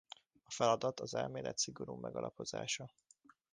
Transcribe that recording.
A feladat az elmélet szigorú megalapozása.